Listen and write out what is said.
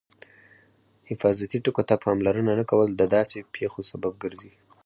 حفاظتي ټکو ته پاملرنه نه کول د داسې پېښو سبب ګرځي.